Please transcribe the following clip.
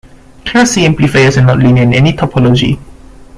Class-C amplifiers are not linear in any topology.